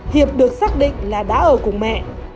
hiệp được xác định là đã ở cùng mẹ